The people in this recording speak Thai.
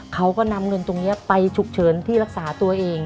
เขาก็นำเงินตรงนี้ไปฉุกเฉินที่รักษาตัวเอง